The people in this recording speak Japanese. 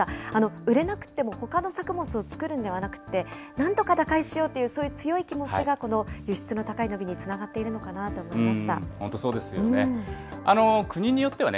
売れなくてもほかの作物を作るのではなくて、なんとか打開しようという、そういう強い気持ちがこの輸出の高い伸びにつながっているのかな本当、そうですよね。